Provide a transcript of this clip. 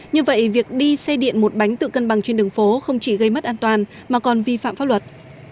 như vậy việc đi xe điện một bánh tự cân bằng trên đường phố không chỉ gây mất an toàn mà còn vi phạm pháp luật